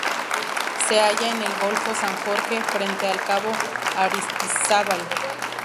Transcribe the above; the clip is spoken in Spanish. Se halla en el Golfo San Jorge, frente al Cabo Aristizábal.